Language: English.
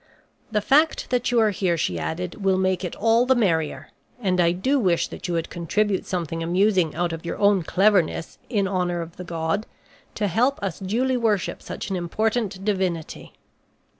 "The fact that you are here," she added, "will make it all the merrier. And I do wish that you would contribute something amusing out of your own cleverness, in honor of the god, to help us duly worship such an important divinity."